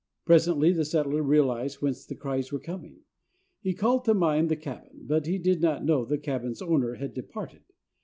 Presently the settler realized whence the cries were coming. He called to mind the cabin; but he did not know the cabin's owner had departed.